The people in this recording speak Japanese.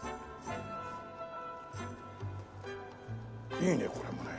いいねこれもね。